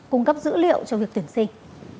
cung cấp dữ liệu cho việc tuyển sinh